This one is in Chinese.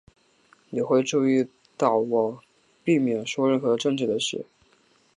你会注意到我避免说任何政治的事。